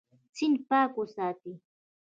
سیند پاک وساتئ.